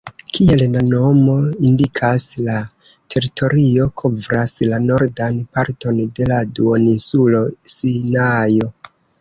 Kiel la nomo indikas, la teritorio kovras la nordan parton de la duoninsulo Sinajo.